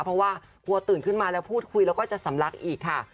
เพราะว่ากลัวตื่นขึ้นมาแล้วพูดคุยแล้วก็จะสำลักอีกค่ะ